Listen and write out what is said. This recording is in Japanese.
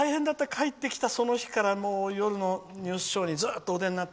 帰ってきたその日から夜のニュースショーにずっとお出になって。